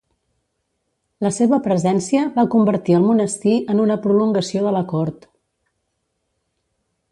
La seva presència va convertir el monestir en una prolongació de la cort.